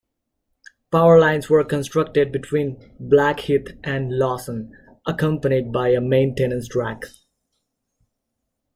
Power lines were constructed between Blackheath and Lawson, accompanied by a maintenance track.